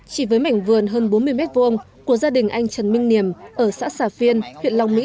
chỉ với mảnh vườn hơn bốn mươi m hai của gia đình anh trần minh niềm ở xã xà phiên huyện long mỹ